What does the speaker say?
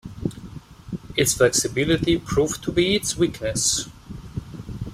Its flexibility proved to be its weakness.